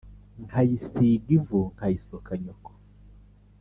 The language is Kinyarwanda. nkayisiga ivunkayisoka nyoko